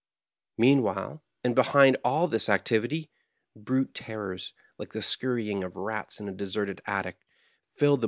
Meanwhile, and behind all this activity, brute terrors, like the scurrying of rats in a deserted attic, filled th^.